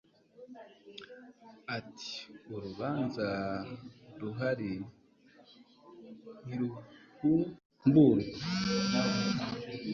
atiurubanza ruhari ntiruhumburwa